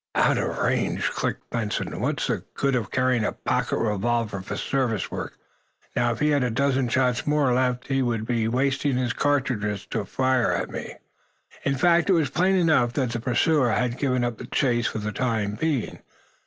"Out of range!" clicked Benson. "What's the good of carrying a pocket revolver for service work? Now, if he had a dozen shots more left he would be wasting his cartridges to fire at me." In fact, it was plain enough that the pursuer had given up the chase for the time being.